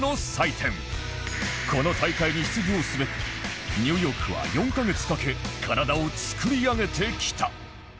この大会に出場すべくニューヨークは４カ月かけ体を作り上げてきた